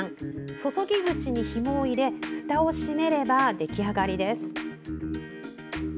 注ぎ口にひもを入れふたを閉めれば出来上がりです。